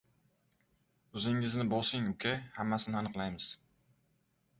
— O‘zingizni bosing, uka! Hammasini aniqlaymiz!